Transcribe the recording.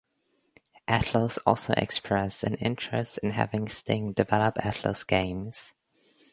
Atlus also expressed an interest in having Sting develop Atlus games.